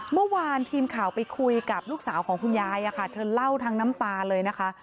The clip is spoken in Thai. เมื่อวานทีมข่าวไปคุยกับลูกสาวของคุณยายอะค่ะเธอเล่าทั้งน้ำตาเลยนะคะ